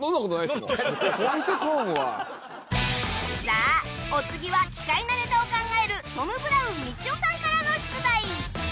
さあお次は奇怪なネタを考えるトム・ブラウンみちおさんからの出題